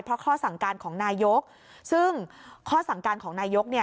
เพราะข้อสั่งการของนายกซึ่งข้อสั่งการของนายกเนี่ย